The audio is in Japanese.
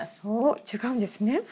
おっ違うんですね？